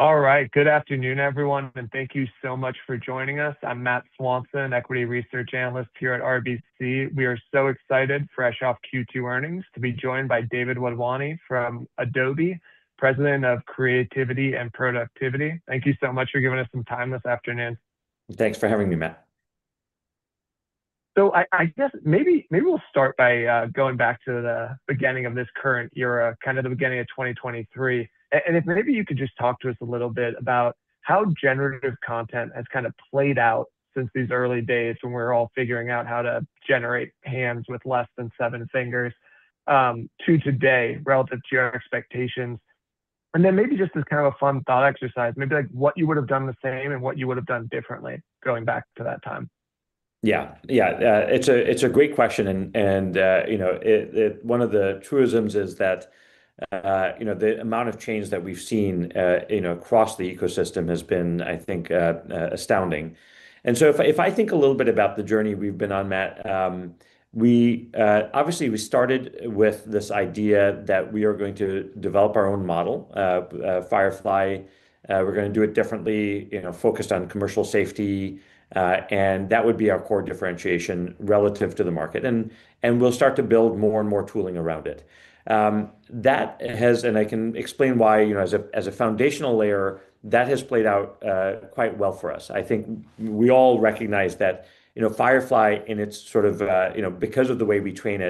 All right. Good afternoon, everyone. Thank you so much for joining us. I'm Matthew Swanson, equity research analyst here at RBC. We are so excited, fresh off Q2 earnings, to be joined by David Wadhwani from Adobe, President of Creativity and Productivity. Thank you so much for giving us some time this afternoon. Thanks for having me, Matt. I guess maybe we'll start by going back to the beginning of this current era, the beginning of 2023. If maybe you could just talk to us a little bit about how generative content has played out since these early days when we were all figuring out how to generate hands with less than seven fingers, to today relative to your expectations. Then maybe just as a fun thought exercise, maybe what you would have done the same and what you would have done differently going back to that time. Yeah. It's a great question, and one of the truisms is that the amount of change that we've seen across the ecosystem has been, I think, astounding. If I think a little bit about the journey we've been on, Matt, obviously we started with this idea that we are going to develop our own model, Firefly. We're going to do it differently, focused on commercial safety, and that would be our core differentiation relative to the market. We'll start to build more and more tooling around it. That has, and I can explain why, as a foundational layer, that has played out quite well for us. I think we all recognize that Firefly because of the way we train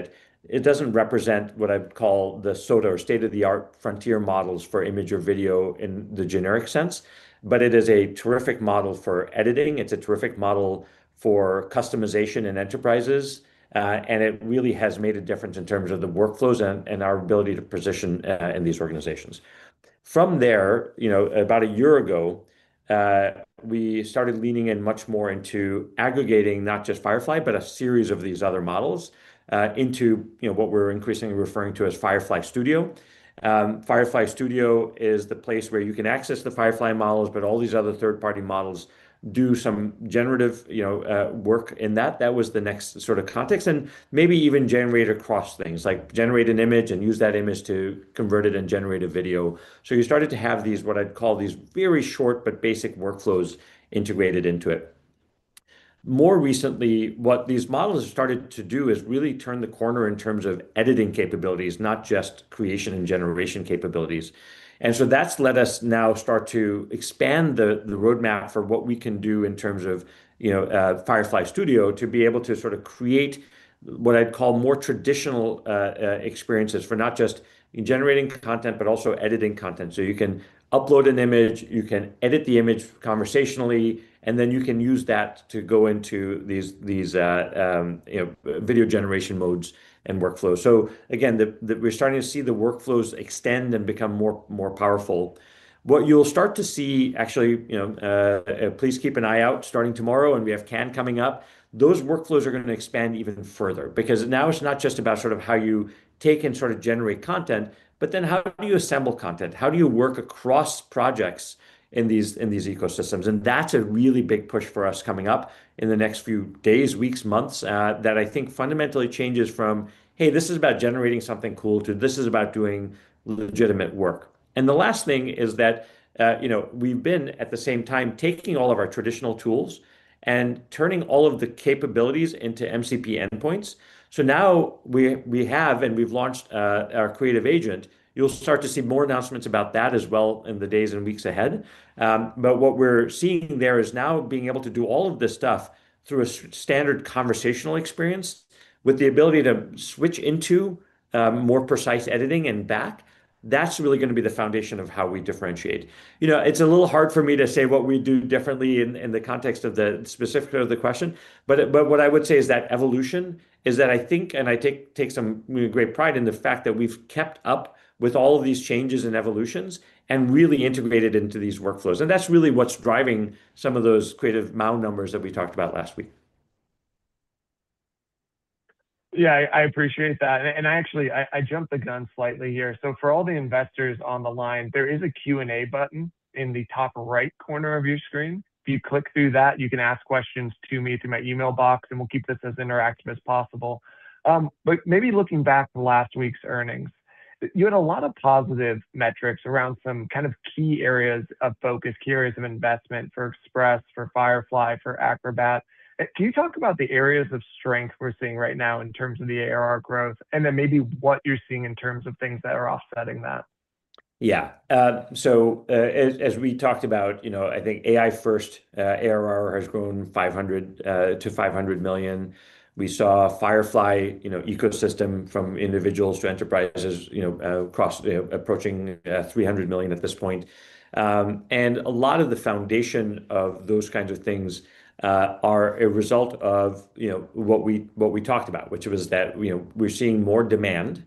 it doesn't represent what I'd call the SOTA, or state-of-the-art frontier models for image or video in the generic sense. It is a terrific model for editing. It's a terrific model for customization in enterprises. It really has made a difference in terms of the workflows and our ability to position in these organizations. From there, about a year ago, we started leaning in much more into aggregating not just Adobe Firefly, but a series of these other models into what we're increasingly referring to as Adobe Firefly Studio. Adobe Firefly Studio is the place where you can access the Adobe Firefly models, but all these other third-party models do some generative work in that. That was the next context, and maybe even generate across things, like generate an image and use that image to convert it and generate a video. You started to have these, what I'd call these very short but basic workflows integrated into it. More recently, what these models have started to do is really turn the corner in terms of editing capabilities, not just creation and generation capabilities. That's let us now start to expand the roadmap for what we can do in terms of Adobe Firefly Studio to be able to create what I'd call more traditional experiences for not just generating content, but also editing content. You can upload an image, you can edit the image conversationally, and then you can use that to go into these video generation modes and workflows. Again, we're starting to see the workflows extend and become more powerful. What you'll start to see, actually, please keep an eye out starting tomorrow, and we have Cannes coming up. Those workflows are going to expand even further, because now it's not just about how you take and generate content, but then how do you assemble content? How do you work across projects in these ecosystems? That's a really big push for us coming up in the next few days, weeks, months, that I think fundamentally changes from, hey, this is about generating something cool, to this is about doing legitimate work. The last thing is that we've been, at the same time, taking all of our traditional tools and turning all of the capabilities into MCP endpoints. Now we have, and we've launched our creative agent. You'll start to see more announcements about that as well in the days and weeks ahead. What we're seeing there is now being able to do all of this stuff through a standard conversational experience with the ability to switch into more precise editing and back. That's really going to be the foundation of how we differentiate. It's a little hard for me to say what we do differently in the context of the specific of the question, but what I would say is that evolution is that I think, and I take some great pride in the fact that we've kept up with all of these changes and evolutions and really integrated into these workflows, and that's really what's driving some of those Creative Cloud numbers that we talked about last week. Yeah, I appreciate that. Actually, I jumped the gun slightly here. For all the investors on the line, there is a Q&A button in the top right corner of your screen. If you click through that, you can ask questions to me through my email box, and we'll keep this as interactive as possible. Maybe looking back to last week's earnings, you had a lot of positive metrics around some key areas of focus, key areas of investment for Express, for Firefly, for Acrobat. Can you talk about the areas of strength we're seeing right now in terms of the ARR growth, and then maybe what you're seeing in terms of things that are offsetting that? Yeah. As we talked about, I think AI first ARR has grown to $500 million. We saw Firefly ecosystem from individuals to enterprises approaching $300 million at this point. A lot of the foundation of those kinds of things are a result of what we talked about, which was that we're seeing more demand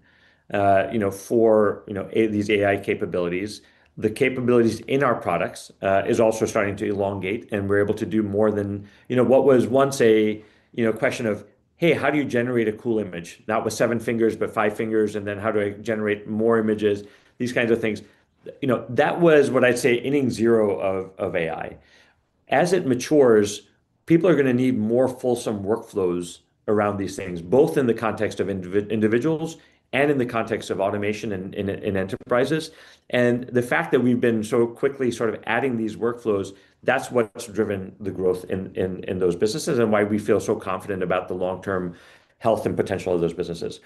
for these AI capabilities. The capabilities in our products is also starting to elongate, and we're able to do more than what was once a question of, hey, how do you generate a cool image? Not with seven fingers, but five fingers, and then how do I generate more images, these kinds of things. That was what I'd say inning zero of AI. As it matures, people are going to need more fulsome workflows around these things, both in the context of individuals and in the context of automation and in enterprises. The fact that we've been so quickly sort of adding these workflows, that's what's driven the growth in those businesses and why we feel so confident about the long-term health and potential of those businesses.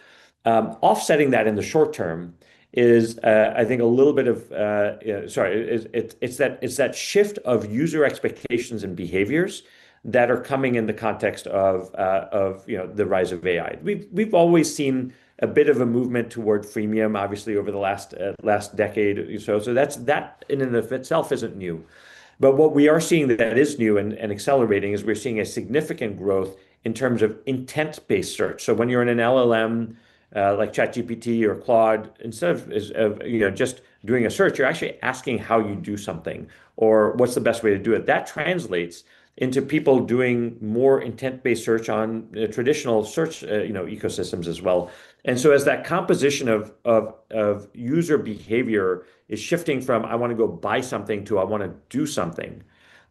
Offsetting that in the short term is, I think, a little bit of-- Sorry, it's that shift of user expectations and behaviors that are coming in the context of the rise of AI. We've always seen a bit of a movement toward freemium, obviously, over the last decade or so. That in and of itself isn't new. What we are seeing that is new and accelerating is we're seeing a significant growth in terms of intent-based search. When you're in an LLM, like ChatGPT or Claude, instead of just doing a search, you're actually asking how you do something, or what's the best way to do it. That translates into people doing more intent-based search on traditional search ecosystems as well. As that composition of user behavior is shifting from, "I want to go buy something" to, "I want to do something,"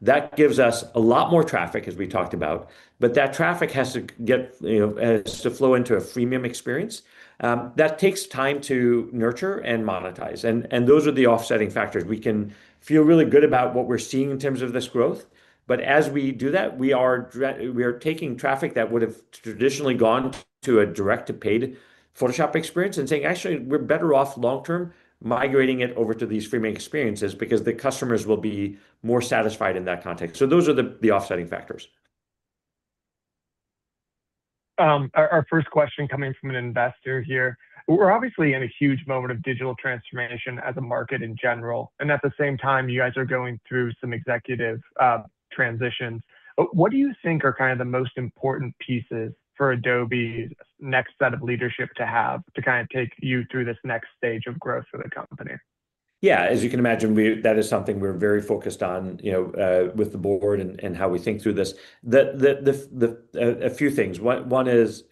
that gives us a lot more traffic, as we talked about. That traffic has to flow into a freemium experience. That takes time to nurture and monetize. Those are the offsetting factors. We can feel really good about what we're seeing in terms of this growth, but as we do that, we are taking traffic that would have traditionally gone to a direct-to-paid Photoshop experience and saying, "Actually, we're better off long term migrating it over to these freemium experiences, because the customers will be more satisfied in that context." Those are the offsetting factors. Our first question coming from an investor here. We're obviously in a huge moment of digital transformation as a market in general, and at the same time, you guys are going through some executive transitions. What do you think are kind of the most important pieces for Adobe's next set of leadership to have to kind of take you through this next stage of growth for the company? Yeah, as you can imagine, that is something we're very focused on, with the board and how we think through this. A few things. One is,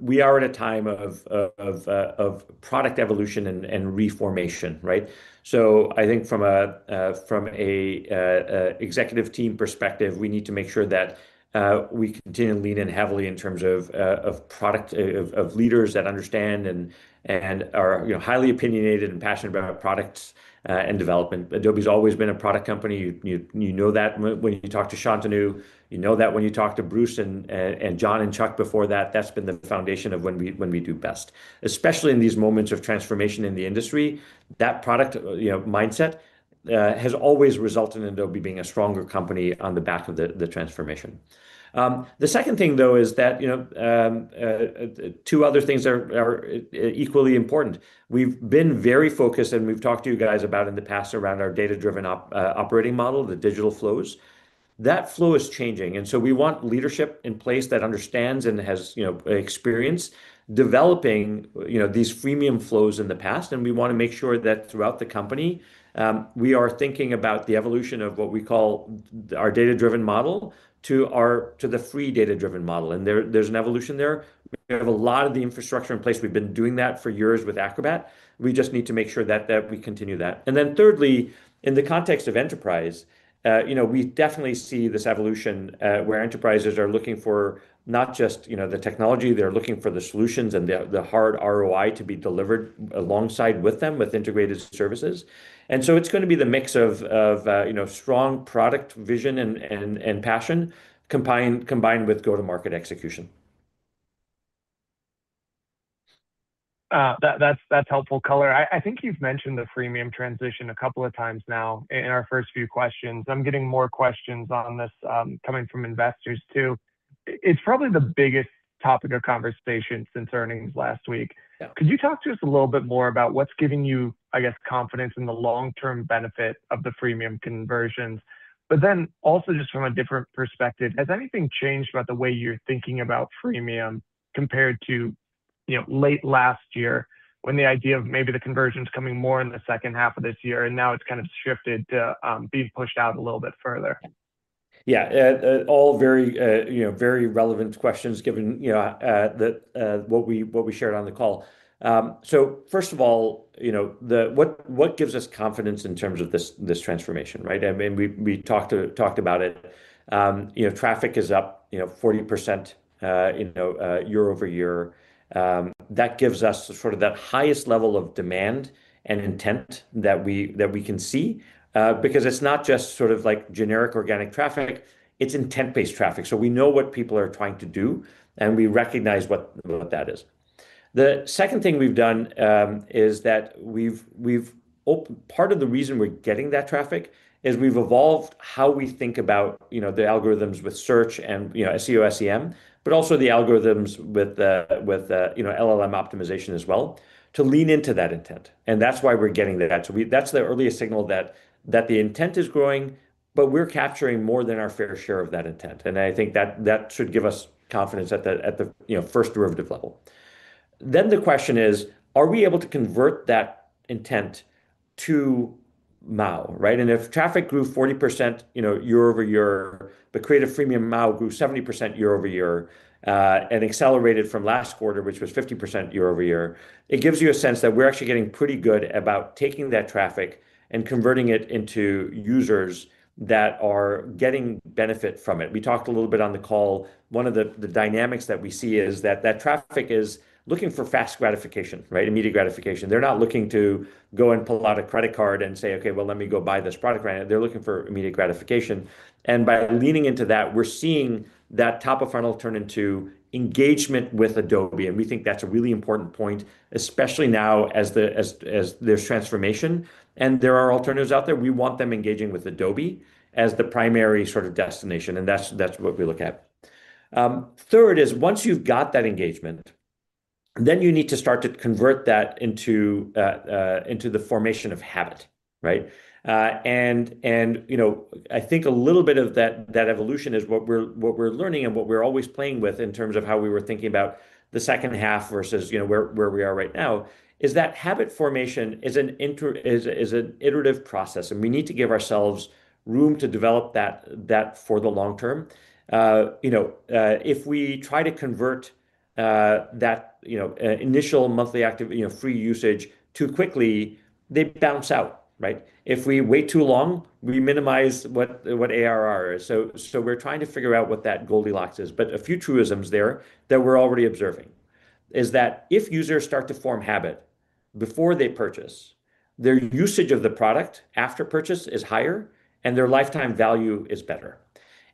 we are in a time of product evolution and reformation, right? I think from a executive team perspective, we need to make sure that we continue to lean in heavily in terms of leaders that understand and are highly opinionated and passionate about products and development. Adobe's always been a product company. You know that when you talk to Shantanu. You know that when you talk to Bruce and John and Chuck before that. That's been the foundation of when we do best. Especially in these moments of transformation in the industry, that product mindset has always resulted in Adobe being a stronger company on the back of the transformation. The second thing, though, is that two other things are equally important. We've been very focused, and we've talked to you guys about in the past around our data-driven operating model, the digital flows. That flow is changing, we want leadership in place that understands and has experience developing these freemium flows in the past. We want to make sure that throughout the company, we are thinking about the evolution of what we call our data-driven model to the free data-driven model. There's an evolution there. We have a lot of the infrastructure in place. We've been doing that for years with Acrobat. We just need to make sure that we continue that. Thirdly, in the context of enterprise, we definitely see this evolution where enterprises are looking for not just the technology. They're looking for the solutions and the hard ROI to be delivered alongside with them with integrated services. It's going to be the mix of strong product vision and passion combined with go-to-market execution. That's helpful color. I think you've mentioned the freemium transition a couple of times now in our first few questions. I'm getting more questions on this coming from investors, too. It's probably the biggest topic of conversation since earnings last week. Yeah. Could you talk to us a little bit more about what's giving you confidence in the long-term benefit of the freemium conversions? Also just from a different perspective, has anything changed about the way you're thinking about freemium compared to late last year when the idea of maybe the conversions coming more in the second half of this year, and now it's kind of shifted to being pushed out a little bit further? Yeah. All very relevant questions given what we shared on the call. First of all, what gives us confidence in terms of this transformation, right? We talked about it. Traffic is up 40% year-over-year. That gives us sort of that highest level of demand and intent that we can see. It's not just sort of generic organic traffic, it's intent-based traffic. We know what people are trying to do, and we recognize what that is. The second thing we've done is that part of the reason we're getting that traffic is we've evolved how we think about the algorithms with search and SEO, SEM, but also the algorithms with LLM optimization as well to lean into that intent. That's why we're getting that. That's the earliest signal that the intent is growing, but we're capturing more than our fair share of that intent. I think that should give us confidence at the first derivative level. The question is, are we able to convert that intent to MAU, right? If traffic grew 40% year-over-year, the creative freemium MAU grew 70% year-over-year, and accelerated from last quarter, which was 50% year-over-year. It gives you a sense that we're actually getting pretty good about taking that traffic and converting it into users that are getting benefit from it. We talked a little bit on the call, one of the dynamics that we see is that that traffic is looking for fast gratification, immediate gratification. They're not looking to go and pull out a credit card and say, "Okay, well, let me go buy this product right now." They're looking for immediate gratification. By leaning into that, we're seeing that top of funnel turn into engagement with Adobe. We think that's a really important point, especially now as there's transformation and there are alternatives out there. We want them engaging with Adobe as the primary destination. That's what we look at. Third, once you've got that engagement, you need to start to convert that into the formation of habit. Right. I think a little bit of that evolution is what we're learning and what we're always playing with in terms of how we were thinking about the second half versus where we are right now, is that habit formation is an iterative process. We need to give ourselves room to develop that for the long term. If we try to convert that initial monthly free usage too quickly, they bounce out. If we wait too long, we minimize what ARR is. We're trying to figure out what that Goldilocks is. A few truisms there that we're already observing is that if users start to form habit before they purchase, their usage of the product after purchase is higher and their lifetime value is better.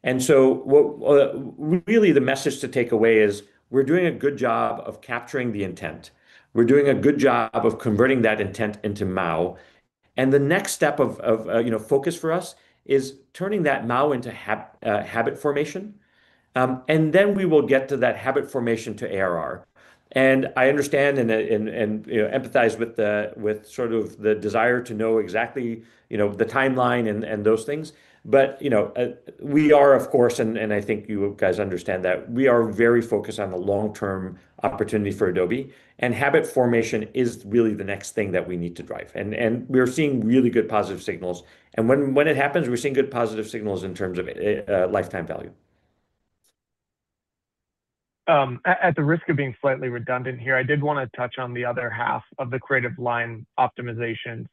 Really, the message to take away is we're doing a good job of capturing the intent. We're doing a good job of converting that intent into MAU. The next step of focus for us is turning that MAU into habit formation. Then we will get to that habit formation to ARR. I understand and empathize with the desire to know exactly the timeline and those things. We are, of course, and I think you guys understand that, we are very focused on the long-term opportunity for Adobe, and habit formation is really the next thing that we need to drive. We're seeing really good positive signals. When it happens, we're seeing good positive signals in terms of lifetime value. At the risk of being slightly redundant here, I did want to touch on the other half of the Creative Cloud line optimization-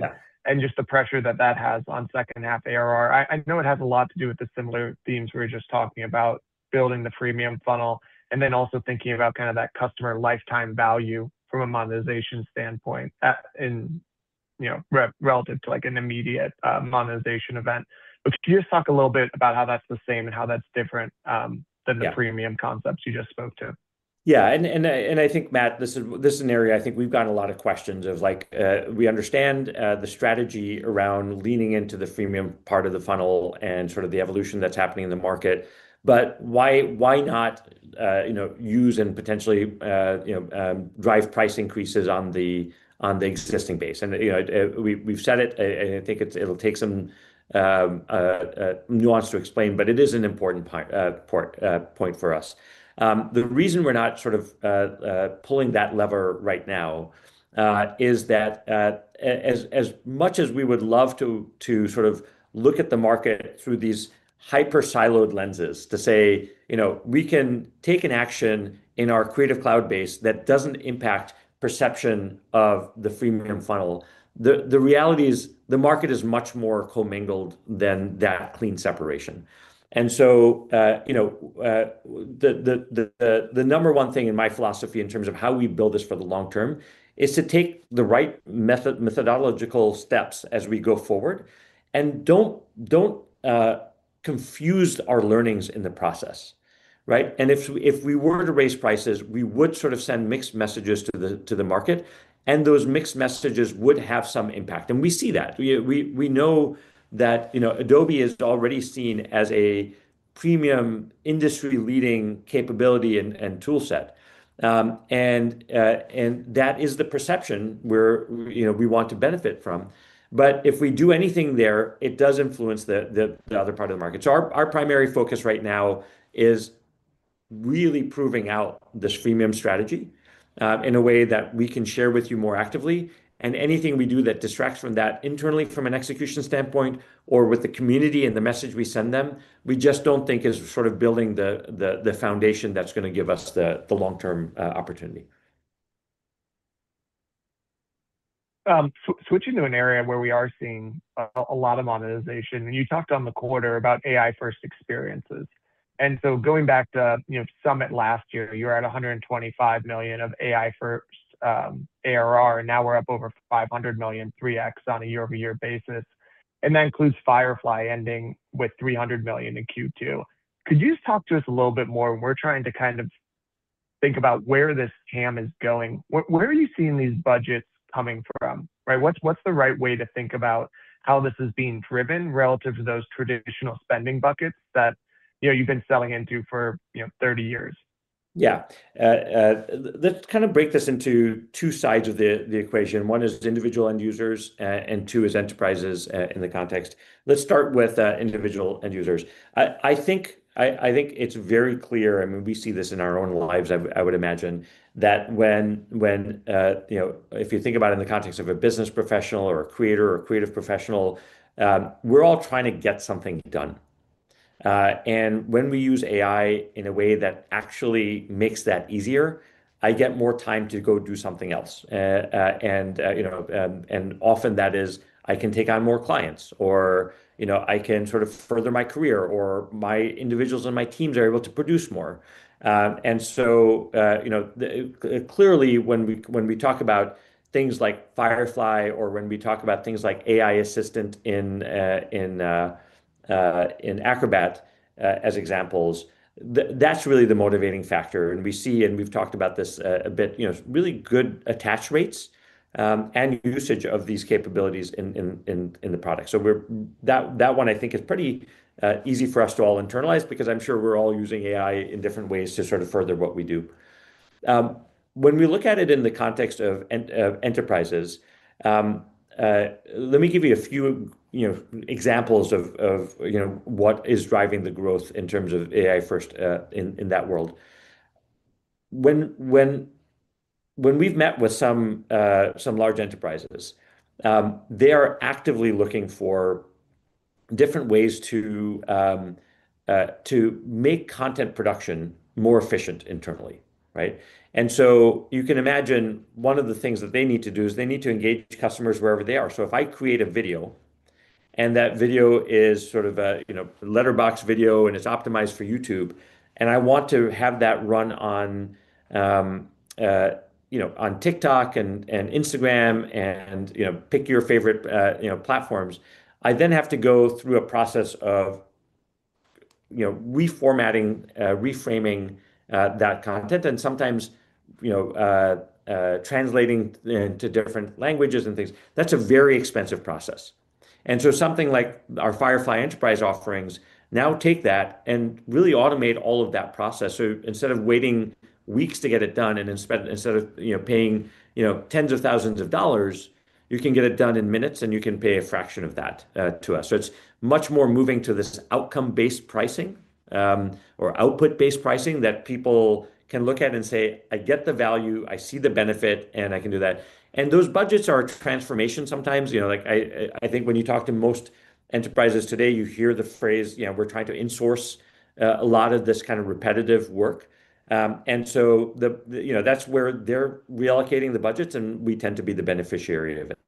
Yeah Just the pressure that that has on second half ARR. I know it has a lot to do with the similar themes we were just talking about, building the freemium funnel, and then also thinking about that customer lifetime value from a monetization standpoint relative to an immediate monetization event. Could you just talk a little bit about how that's the same and how that's different than. Yeah the freemium concepts you just spoke to? Yeah, I think, Matt, this is an area I think we've gotten a lot of questions of, like, we understand the strategy around leaning into the freemium part of the funnel and the evolution that's happening in the market, why not use and potentially drive price increases on the existing base? We've said it, and I think it'll take some nuance to explain, it is an important point for us. The reason we're not pulling that lever right now is that as much as we would love to look at the market through these hyper-siloed lenses to say, "We can take an action in our Creative Cloud base that doesn't impact perception of the freemium funnel," the reality is the market is much more commingled than that clean separation. The number one thing in my philosophy in terms of how we build this for the long term is to take the right methodological steps as we go forward and don't confuse our learnings in the process. Right? If we were to raise prices, we would send mixed messages to the market, those mixed messages would have some impact. We see that. We know that Adobe is already seen as a premium industry-leading capability and tool set. That is the perception we want to benefit from. If we do anything there, it does influence the other part of the market. Our primary focus right now is really proving out this freemium strategy in a way that we can share with you more actively. Anything we do that distracts from that internally, from an execution standpoint or with the community and the message we send them, we just don't think is building the foundation that's going to give us the long-term opportunity. Switching to an area where we are seeing a lot of monetization, you talked on the quarter about AI-first experiences. Going back to Adobe Summit last year, you were at $125 million of AI-first ARR. Now we're up over $500 million, 3x on a year-over-year basis, and that includes Firefly ending with $300 million in Q2. Could you just talk to us a little bit more, we're trying to think about where this TAM is going. Where are you seeing these budgets coming from, right? What's the right way to think about how this is being driven relative to those traditional spending buckets that you've been selling into for 30 years? Yeah. Let's break this into two sides of the equation. One is individual end users, two is enterprises in the context. Let's start with individual end users. I think it's very clear, we see this in our own lives, I would imagine, that if you think about it in the context of a business professional or a creator or creative professional, we're all trying to get something done. When we use AI in a way that actually makes that easier, I get more time to go do something else. Often that is, I can take on more clients, or I can further my career, or individuals on my teams are able to produce more. Clearly when we talk about things like Firefly or when we talk about things like AI Assistant in Acrobat as examples, that's really the motivating factor. We see, we've talked about this a bit, really good attach rates and usage of these capabilities in the product. That one I think is pretty easy for us to all internalize because I'm sure we're all using AI in different ways to further what we do. When we look at it in the context of enterprises, let me give you a few examples of what is driving the growth in terms of AI first in that world. When we've met with some large enterprises, they are actively looking for different ways to make content production more efficient internally. Right? You can imagine one of the things that they need to do is they need to engage customers wherever they are. If I create a video and that video is a letterbox video and it's optimized for YouTube, I want to have that run on TikTok and Instagram and pick your favorite platforms, I then have to go through a process of reformatting, reframing that content and sometimes translating into different languages and things. That's a very expensive process. Something like our Firefly enterprise offerings now take that and really automate all of that process. Instead of waiting weeks to get it done and instead of paying tens of thousands of dollars, you can get it done in minutes, and you can pay a fraction of that to us. It's much more moving to this outcome-based pricing, or output-based pricing that people can look at and say, "I get the value, I see the benefit, and I can do that." Those budgets are transformation sometimes. I think when you talk to most enterprises today, you hear the phrase, "We're trying to insource a lot of this kind of repetitive work." That's where they're reallocating the budgets, and we tend to be the beneficiary of it.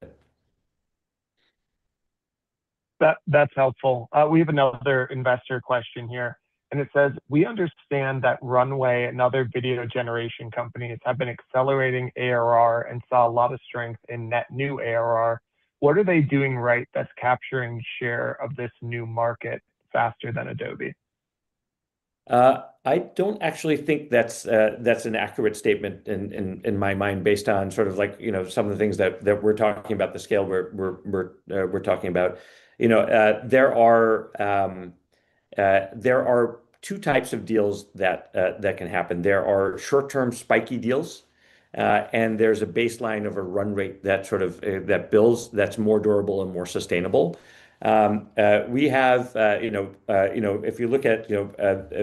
That's helpful. We have another investor question here, and it says, "We understand that Runway and other video generation companies have been accelerating ARR and saw a lot of strength in net new ARR. What are they doing right that's capturing share of this new market faster than Adobe? I don't actually think that's an accurate statement in my mind, based on some of the things that we're talking about, the scale we're talking about. There are 2 types of deals that can happen. There are short-term spiky deals, and there's a baseline of a run rate that builds, that's more durable and more sustainable. If you look at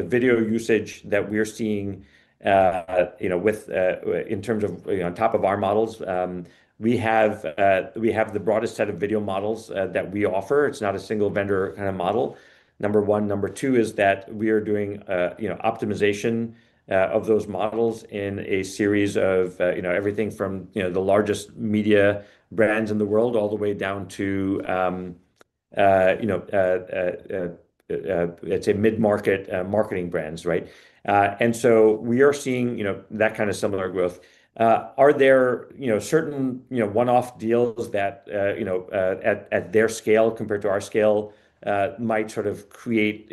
video usage that we're seeing on top of our models, we have the broadest set of video models that we offer. It's not a single vendor kind of model, number 1. Number 2 is that we are doing optimization of those models in a series of everything from the largest media brands in the world, all the way down to mid-market marketing brands, right? We are seeing that kind of similar growth. Are there certain one-off deals that at their scale compared to our scale might create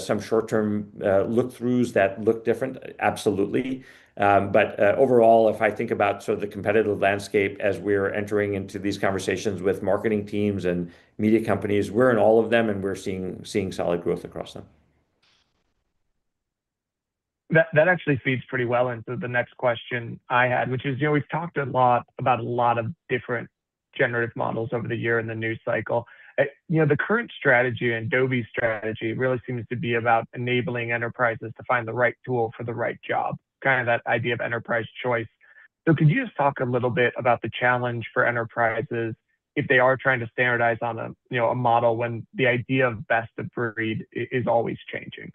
some short-term look-throughs that look different? Absolutely. Overall, if I think about the competitive landscape as we're entering into these conversations with marketing teams and media companies, we're in all of them, and we're seeing solid growth across them. That actually feeds pretty well into the next question I had, which is, we've talked a lot about a lot of different generative models over the year in the news cycle. The current strategy and Adobe's strategy really seems to be about enabling enterprises to find the right tool for the right job, kind of that idea of enterprise choice. Could you just talk a little bit about the challenge for enterprises if they are trying to standardize on a model when the idea of best of breed is always changing?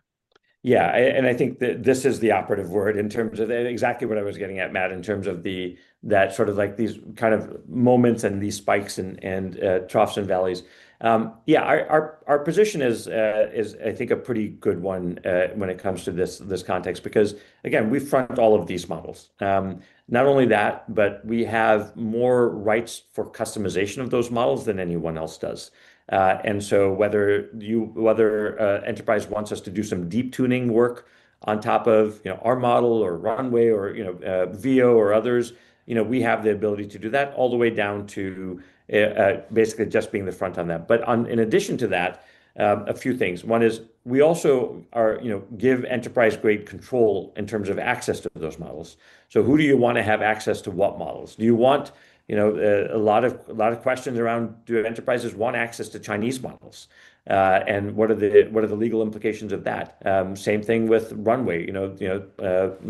I think that this is the operative word in terms of exactly what I was getting at, Matt, in terms of these kind of moments and these spikes and troughs and valleys. Our position is I think a pretty good one when it comes to this context because, again, we front all of these models. Not only that, we have more rights for customization of those models than anyone else does. Whether enterprise wants us to do some deep tuning work on top of our model or Runway or Veo or others, we have the ability to do that all the way down to basically just being the front on that. In addition to that, a few things. One is we also give enterprise-grade control in terms of access to those models. Who do you want to have access to what models? Do you want a lot of questions around do enterprises want access to Chinese models? What are the legal implications of that? Same thing with Runway.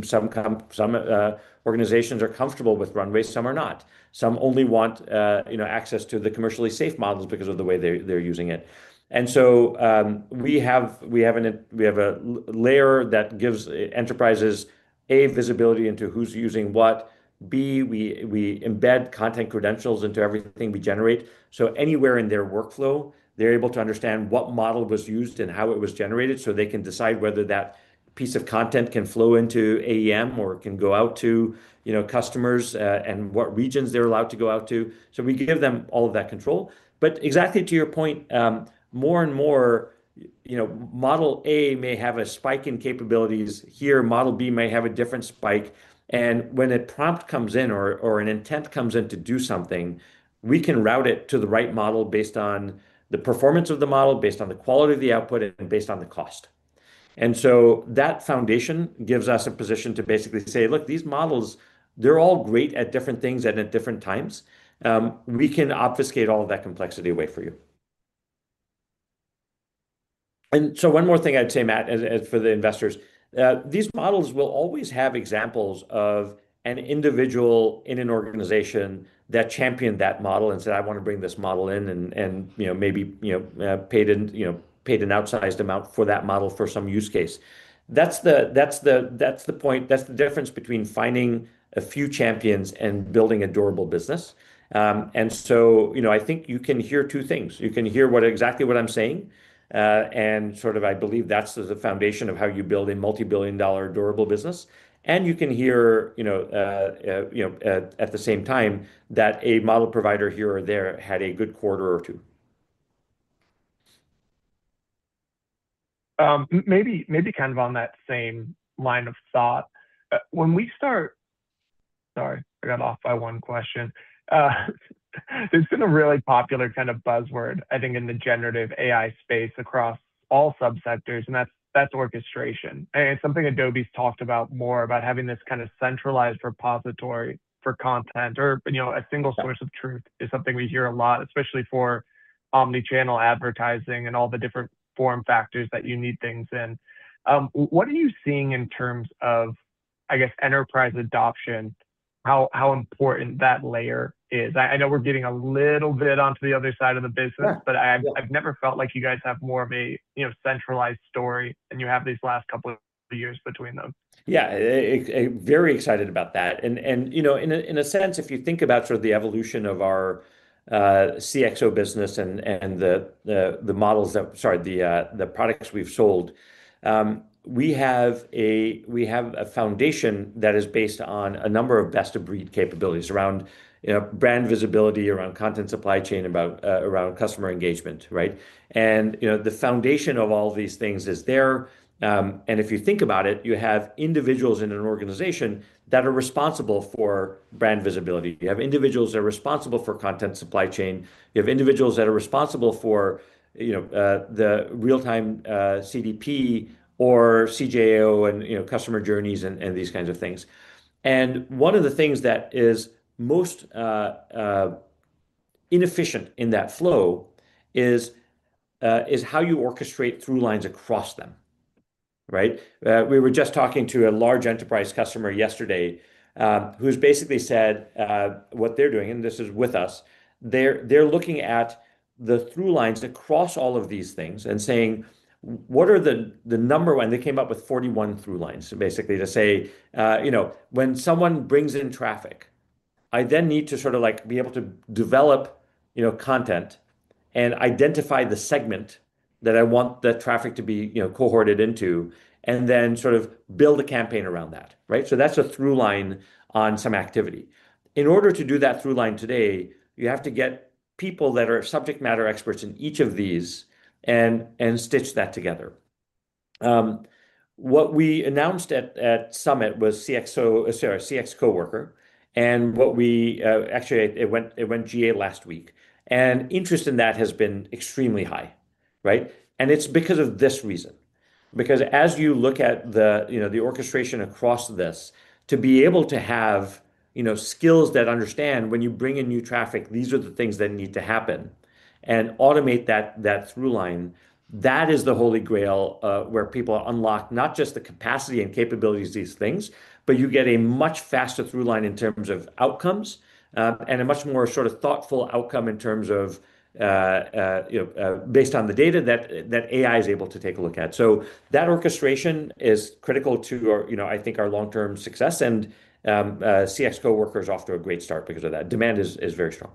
Some organizations are comfortable with Runway, some are not. Some only want access to the commercially safe models because of the way they're using it. We have a layer that gives enterprises, A, visibility into who's using what B, we embed Content Credentials into everything we generate, so anywhere in their workflow, they're able to understand what model was used and how it was generated so they can decide whether that piece of content can flow into AEM or can go out to customers, and what regions they're allowed to go out to. We give them all of that control. exactly to your point, more and more, Model A may have a spike in capabilities here, Model B may have a different spike, and when a prompt comes in or an intent comes in to do something, we can route it to the right model based on the performance of the model, based on the quality of the output, and based on the cost. That foundation gives us a position to basically say, "Look, these models, they're all great at different things and at different times." We can obfuscate all of that complexity away for you. One more thing I'd say, Matt, for the investors, these models will always have examples of an individual in an organization that championed that model and said, "I want to bring this model in," and maybe paid an outsized amount for that model for some use case. That's the point, that's the difference between finding a few champions and building a durable business. I think you can hear two things. You can hear exactly what I'm saying, and I believe that's the foundation of how you build a multi-billion dollar durable business, and you can hear, at the same time, that a model provider here or there had a good quarter or two. Maybe on that same line of thought. Sorry, I got off by one question. There's been a really popular kind of buzzword, I think, in the generative AI space across all sub-sectors, and that's orchestration. It's something Adobe's talked about more, about having this kind of centralized repository for content or a single source of truth is something we hear a lot, especially for omni-channel advertising and all the different form factors that you need things in. What are you seeing in terms of, I guess, enterprise adoption, how important that layer is? I know we're getting a little bit onto the other side of the business. Yeah I've never felt like you guys have more of a centralized story than you have these last couple of years between them. Yeah. Very excited about that. In a sense, if you think about the evolution of our CXO business and the products we've sold, we have a foundation that is based on a number of best-of-breed capabilities around brand visibility, around content supply chain, around customer engagement, right? The foundation of all these things is there. If you think about it, you have individuals in an organization that are responsible for brand visibility. You have individuals that are responsible for content supply chain. You have individuals that are responsible for the real-time CDP or CJA, and customer journeys, and these kinds of things. One of the things that is most inefficient in that flow is how you orchestrate through lines across them. Right? We were just talking to a large enterprise customer yesterday, who's basically said, what they're doing, this is with us, they're looking at the through lines across all of these things and saying, "What are the number one?" They came up with 41 through lines, basically, to say, when someone brings in traffic, I then need to be able to develop content and identify the segment that I want the traffic to be cohorted into, and then build a campaign around that. Right? That's a through line on some activity. In order to do that through line today, you have to get people that are subject matter experts in each of these and stitch that together. What we announced at Adobe Summit was CXO, sorry, CX Coworker, and actually, it went GA last week. Interest in that has been extremely high. Right? It's because of this reason. As you look at the orchestration across this, to be able to have skills that understand when you bring in new traffic, these are the things that need to happen, and automate that through line, that is the holy grail where people unlock not just the capacity and capabilities of these things, but you get a much faster through line in terms of outcomes, and a much more thoughtful outcome based on the data that AI is able to take a look at. That orchestration is critical to our long-term success, and CX Coworker is off to a great start because of that. Demand is very strong.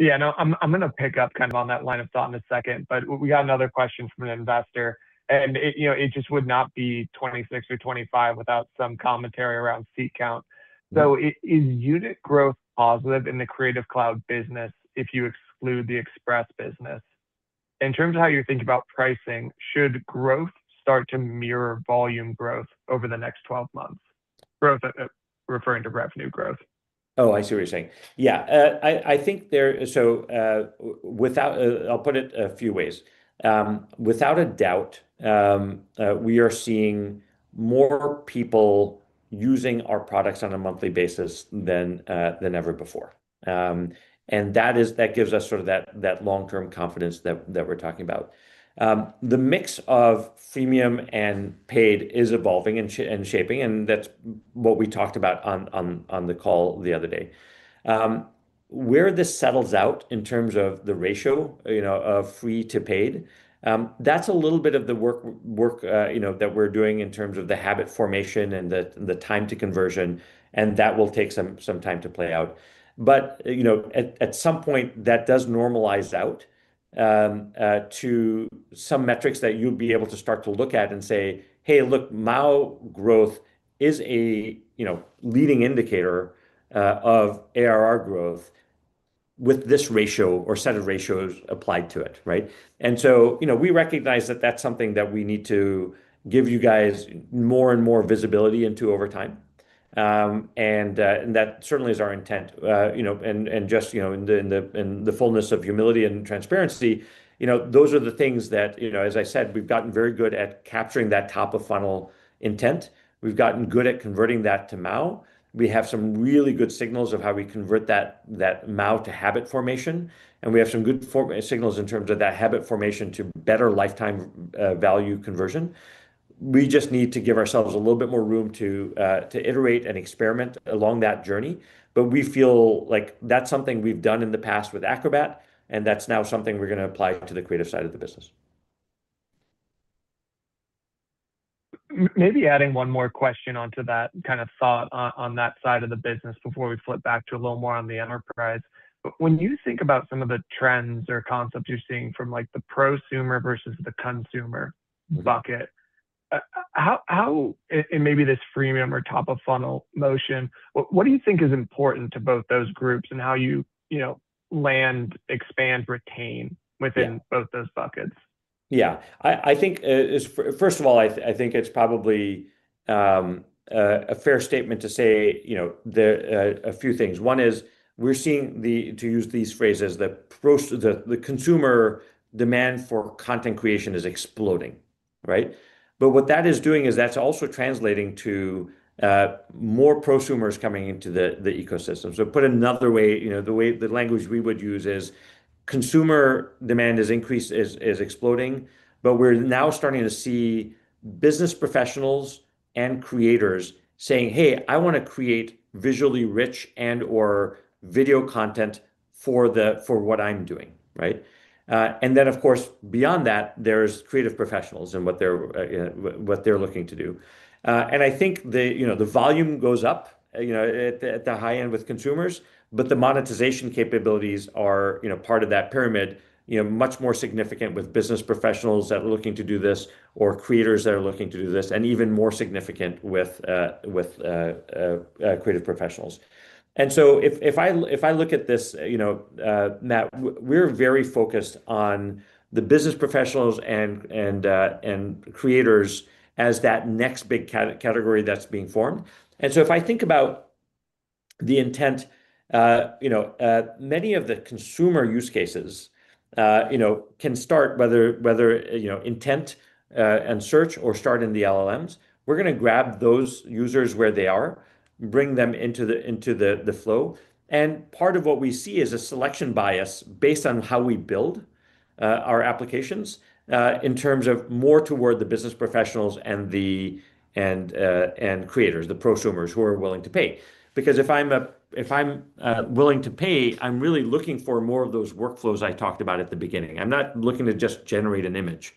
Yeah. No, I'm going to pick up on that line of thought in a second, we got another question from an investor, and it just would not be 2026 or 2025 without some commentary around seat count. Is unit growth positive in the Creative Cloud business if you exclude the Express business? In terms of how you're thinking about pricing, should growth start to mirror volume growth over the next 12 months? Growth, referring to revenue growth. I see what you're saying. I'll put it a few ways. Without a doubt, we are seeing more people using our products on a monthly basis than ever before. That gives us that long-term confidence that we're talking about. The mix of freemium and paid is evolving and shaping, and that's what we talked about on the call the other day. Where this settles out in terms of the ratio of free to paid, that's a little bit of the work that we're doing in terms of the habit formation and the time to conversion, and that will take some time to play out. At some point, that does normalize out to some metrics that you'll be able to start to look at and say, "Hey, look, MAU growth is a leading indicator of ARR growth with this ratio or set of ratios applied to it." We recognize that that's something that we need to give you guys more and more visibility into over time. That certainly is our intent. Just in the fullness of humility and transparency, those are the things that, as I said, we've gotten very good at capturing that top-of-funnel intent. We've gotten good at converting that to MAU. We have some really good signals of how we convert that MAU to habit formation, and we have some good signals in terms of that habit formation to better lifetime value conversion. We just need to give ourselves a little bit more room to iterate and experiment along that journey. We feel like that's something we've done in the past with Acrobat, and that's now something we're going to apply to the creative side of the business. Maybe adding one more question onto that kind of thought on that side of the business before we flip back to a little more on the enterprise. When you think about some of the trends or concepts you're seeing from the prosumer versus the consumer bucket- how, and maybe this freemium or top-of-funnel motion, what do you think is important to both those groups and how you land, expand, retain within- Yeah both those buckets? Yeah. First of all, I think it's probably a fair statement to say a few things. One is we're seeing, to use these phrases, the consumer demand for content creation is exploding. Right? What that is doing is that's also translating to more prosumers coming into the ecosystem. Put another way, the language we would use is consumer demand is exploding, but we're now starting to see business professionals and creators saying, "Hey, I want to create visually rich and/or video content for what I'm doing." Right? Of course, beyond that, there's creative professionals and what they're looking to do. I think the volume goes up at the high end with consumers, the monetization capabilities are part of that pyramid, much more significant with business professionals that are looking to do this or creators that are looking to do this, and even more significant with creative professionals. If I look at this, Matt, we're very focused on the business professionals and creators as that next big category that's being formed. If I think about the intent, many of the consumer use cases can start, whether intent and search or start in the LLMs, we're going to grab those users where they are, bring them into the flow, and part of what we see is a selection bias based on how we build our applications, in terms of more toward the business professionals and creators, the prosumers who are willing to pay. If I'm willing to pay, I'm really looking for more of those workflows I talked about at the beginning. I'm not looking to just generate an image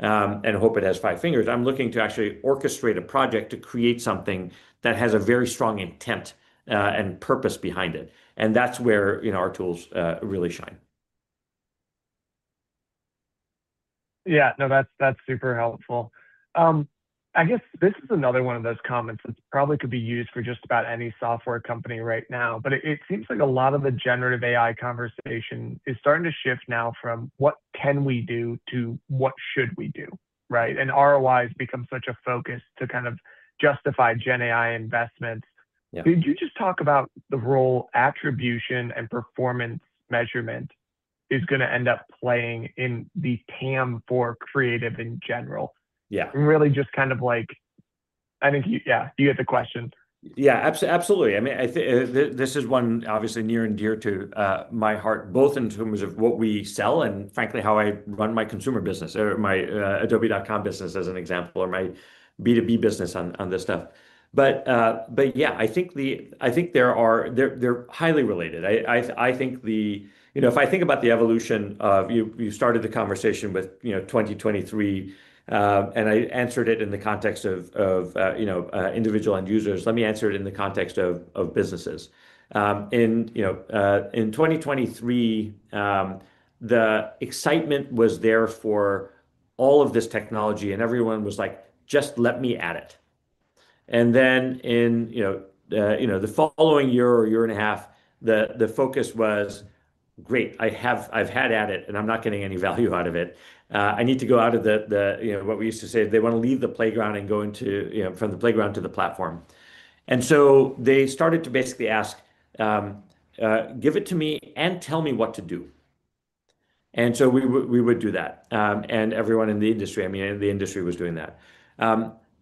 and hope it has five fingers. I'm looking to actually orchestrate a project to create something that has a very strong intent and purpose behind it. That's where our tools really shine. Yeah. No, that's super helpful. I guess this is another one of those comments that probably could be used for just about any software company right now, it seems like a lot of the generative AI conversation is starting to shift now from what can we do to what should we do, right? ROI has become such a focus to kind of justify gen AI investments. Yeah. Could you just talk about the role attribution and performance measurement is going to end up playing in the TAM for creative in general? Yeah. Really just kind of like I think, yeah, you get the question. Yeah, absolutely. This is one obviously near and dear to my heart, both in terms of what we sell and frankly how I run my consumer business or my adobe.com business as an example, or my B2B business on this stuff. Yeah, I think they're highly related. If I think about the evolution of, you started the conversation with 2023, and I answered it in the context of individual end users. Let me answer it in the context of businesses. In 2023, the excitement was there for all of this technology, and everyone was like, "Just let me at it." In the following year or year and a half, the focus was, "Great, I've had at it, and I'm not getting any value out of it." I need to go out of the, what we used to say, they want to leave the playground and go from the playground to the platform. So they started to basically ask, "Give it to me and tell me what to do." So we would do that. Everyone in the industry was doing that.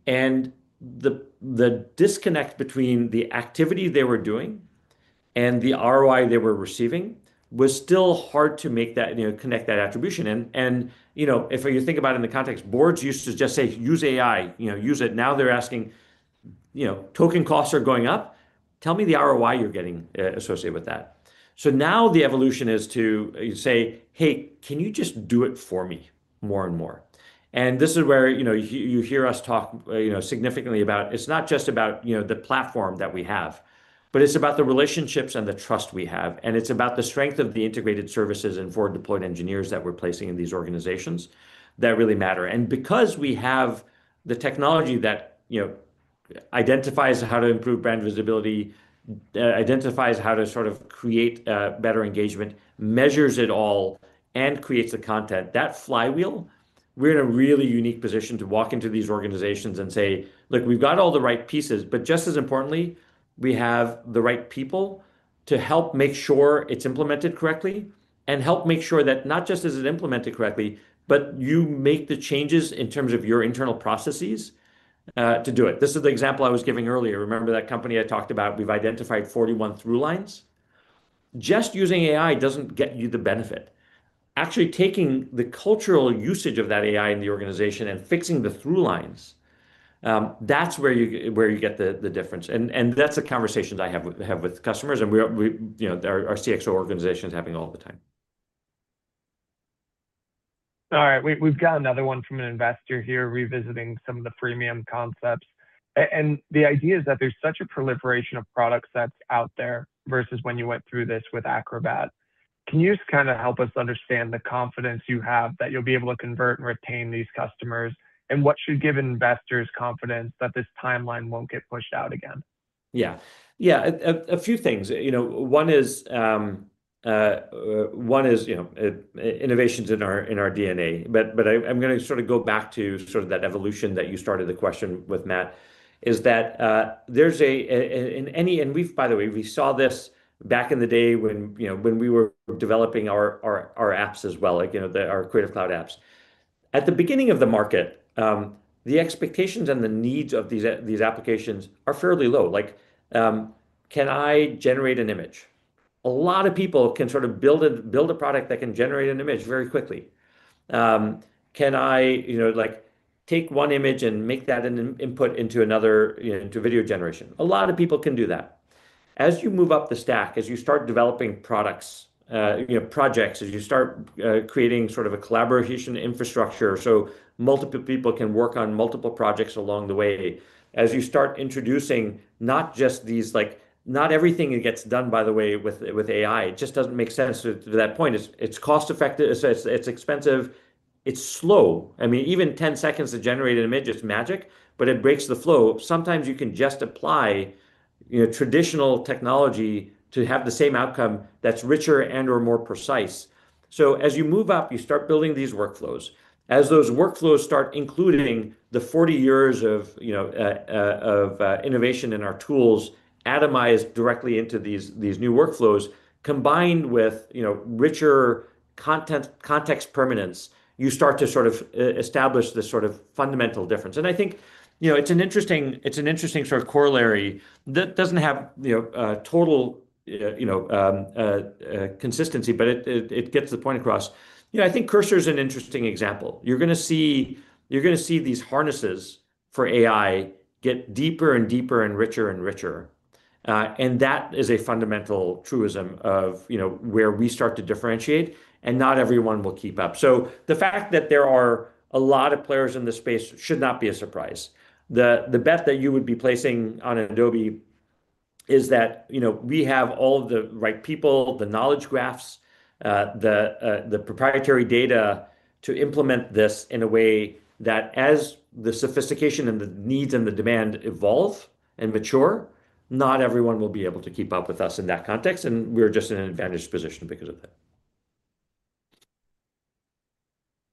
The disconnect between the activity they were doing and the ROI they were receiving was still hard to connect that attribution in. If you think about it in the context, boards used to just say, "Use AI. Use it." Now they're asking Token costs are going up. Tell me the ROI you're getting associated with that. Now the evolution is to say, "Hey, can you just do it for me more and more?" This is where you hear us talk significantly about it's not just about the platform that we have, but it's about the relationships and the trust we have, and it's about the strength of the integrated services and forward-deployed engineers that we're placing in these organizations that really matter. Because we have the technology that identifies how to improve brand visibility, identifies how to create better engagement, measures it all, and creates the content, that flywheel, we're in a really unique position to walk into these organizations and say, "Look, we've got all the right pieces, but just as importantly, we have the right people to help make sure it's implemented correctly and help make sure that not just is it implemented correctly, but you make the changes in terms of your internal processes to do it." This is the example I was giving earlier. Remember that company I talked about, we've identified 41 through lines? Just using AI doesn't get you the benefit. Actually, taking the cultural usage of that AI in the organization and fixing the through lines, that's where you get the difference. That's the conversations I have with customers, and our DX organization is having all the time. All right. We've got another one from an investor here revisiting some of the freemium concepts. The idea is that there's such a proliferation of products that's out there versus when you went through this with Acrobat. Can you just help us understand the confidence you have that you'll be able to convert and retain these customers, and what should give investors confidence that this timeline won't get pushed out again? Yeah. A few things. One is innovation's in our DNA. I'm going to go back to that evolution that you started the question with, Matt, is that there's. We've, by the way, we saw this back in the day when we were developing our apps as well, our Creative Cloud apps. At the beginning of the market, the expectations and the needs of these applications are fairly low. Like, can I generate an image? A lot of people can build a product that can generate an image very quickly. Can I take one image and make that an input into video generation? A lot of people can do that. As you move up the stack, as you start developing products, projects, as you start creating a collaboration infrastructure so multiple people can work on multiple projects along the way, as you start introducing Not everything gets done, by the way, with AI. It just doesn't make sense to that point. It's cost-effective, it's expensive, it's slow. Even 10 seconds to generate an image, it's magic, but it breaks the flow. Sometimes you can just apply traditional technology to have the same outcome that's richer and/or more precise. As you move up, you start building these workflows. As those workflows start including the 40 years of innovation in our tools atomized directly into these new workflows, combined with richer context permanence, you start to establish this fundamental difference. I think it's an interesting corollary that doesn't have total consistency, but it gets the point across. I think Cursor's an interesting example. You're going to see these harnesses for AI get deeper and deeper and richer and richer. That is a fundamental truism of where we start to differentiate, and not everyone will keep up. The fact that there are a lot of players in this space should not be a surprise. The bet that you would be placing on Adobe is that we have all the right people, the knowledge graphs, the proprietary data to implement this in a way that as the sophistication and the needs and the demand evolve and mature, not everyone will be able to keep up with us in that context, and we're just in an advantaged position because of that.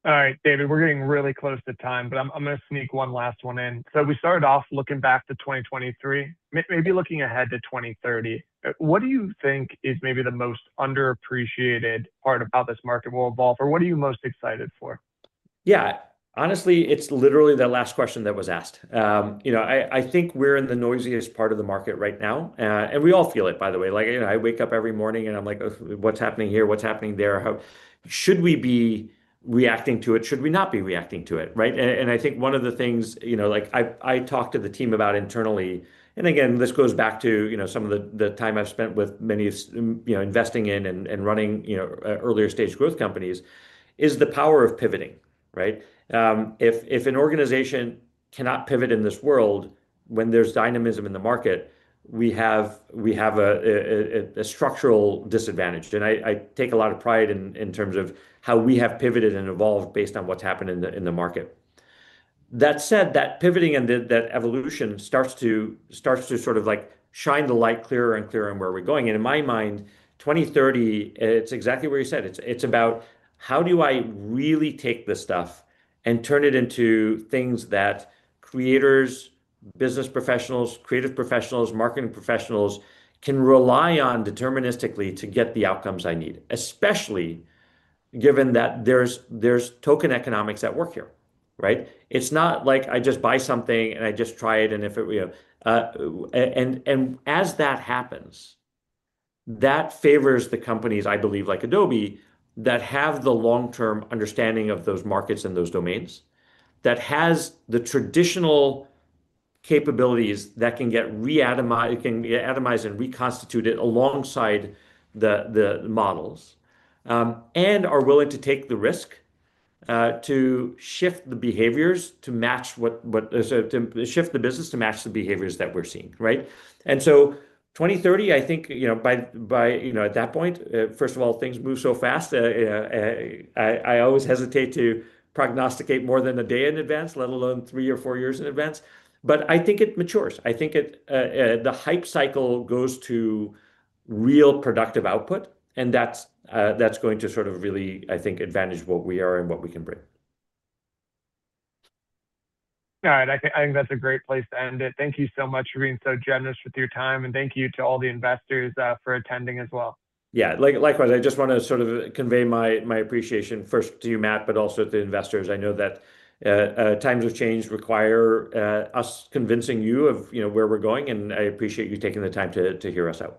All right, David, we're getting really close to time, but I'm going to sneak one last one in. We started off looking back to 2023, maybe looking ahead to 2030. What do you think is maybe the most underappreciated part of how this market will evolve, or what are you most excited for? Yeah. Honestly, it's literally the last question that was asked. I think we're in the noisiest part of the market right now. We all feel it, by the way. I wake up every morning, and I'm like, "What's happening here? What's happening there? Should we be reacting to it? Should we not be reacting to it?" Right? I think one of the things I talk to the team about internally, and again, this goes back to some of the time I've spent with many investing in and running earlier-stage growth companies, is the power of pivoting. Right? If an organization cannot pivot in this world when there's dynamism in the market, we have a structural disadvantage. I take a lot of pride in terms of how we have pivoted and evolved based on what's happened in the market. That said, that pivoting and that evolution starts to shine the light clearer and clearer on where we're going. In my mind, 2030, it's exactly where you said. It's about how do I really take this stuff and turn it into things that creators, business professionals, creative professionals, marketing professionals can rely on deterministically to get the outcomes I need, especially given that there's token economics at work here, right? It's not like I just buy something, and I just try it. As that happens, that favors the companies, I believe, like Adobe, that have the long-term understanding of those markets and those domains, that has the traditional capabilities that can get atomized and reconstituted alongside the models, and are willing to take the risk to shift the business to match the behaviors that we're seeing, right? 2030, I think, at that point, first of all, things move so fast. I always hesitate to prognosticate more than a day in advance, let alone three or four years in advance. I think it matures. I think the hype cycle goes to real productive output, and that's going to really, I think, advantage what we are and what we can bring. All right. I think that's a great place to end it. Thank you so much for being so generous with your time, and thank you to all the investors for attending as well. Yeah. Likewise. I just want to convey my appreciation, first to you, Matt, but also to the investors. I know that times of change require us convincing you of where we're going, and I appreciate you taking the time to hear us out.